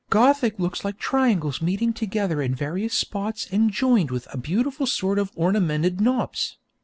Gothic looks like triangles meeting together in various spots and joined with a beautiful sort of ornamented knobs.